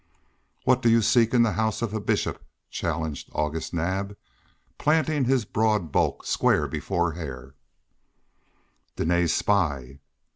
"What do you seek in the house of a Bishop?" challenged August Naab, planting his broad bulk square before Hare. "Dene's spy!"